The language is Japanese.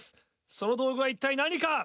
その道具は一体何か？